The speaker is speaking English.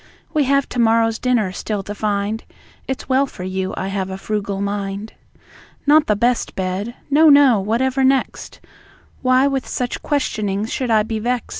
We have to morrow's dinner still to find; It's well for you I have a frugal mind. Not the best bed! No, no. Whatever next? Why with such questionings should I be vext?